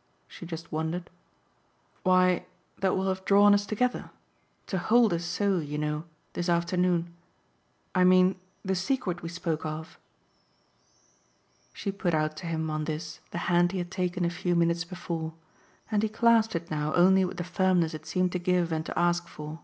"The thing?" she just wondered. "Why that will have drawn us together to hold us so, you know this afternoon. I mean the secret we spoke of." She put out to him on this the hand he had taken a few minutes before, and he clasped it now only with the firmness it seemed to give and to ask for.